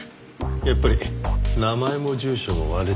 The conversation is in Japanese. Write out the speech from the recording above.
やっぱり名前も住所も割れてるんだ。